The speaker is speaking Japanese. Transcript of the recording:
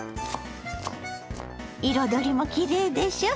彩りもきれいでしょ。